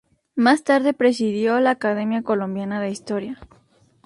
Más tarde presidió la Academia Colombiana de Historia.